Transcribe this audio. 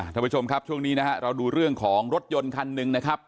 ท่านผู้ชมครับช่วงนี้นะฮะเราดูเรื่องของรถยนต์คันหนึ่งนะครับ